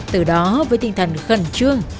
từ đó với tinh thần khẩn trương